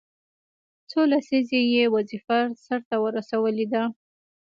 څو لسیزې یې وظیفه سرته رسولې ده.